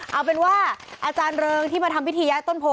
เอาเป็นว่าอาจารย์เริงที่มาทำพิธีย้ายต้นโพ